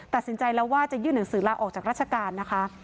ตัดสินใจแล้วว่าจะยื่นหนังสือลาออกจากราชการนะคะ